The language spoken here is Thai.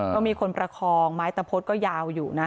ก็มีคนประคองไม้ตะพดก็ยาวอยู่นะ